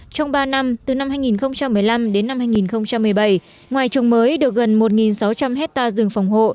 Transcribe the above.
trong ba năm từ năm hai nghìn một mươi năm đến năm hai nghìn một mươi bảy ngoài trồng mới được gần một sáu trăm linh hectare rừng phòng hộ